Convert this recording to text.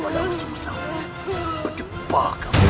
malam susah berdepah kamu